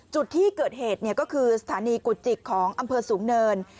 จุดที่เกิดเหตุก็คือสถานีกุจิกของอำเภอสูงเนิน